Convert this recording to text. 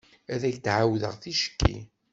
Ad ak-d-ɛawdeɣ ticki.